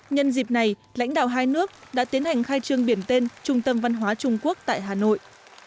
nhân dịp này lãnh đạo hai nước đã tiến hành khai trương biển tên trung tâm văn hóa trung quốc tại hà nội